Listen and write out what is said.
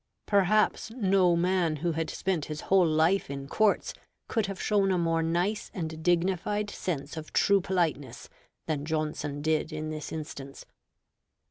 Perhaps no man who had spent his whole life in courts could have shown a more nice and dignified sense of true politeness than Johnson did in this instance.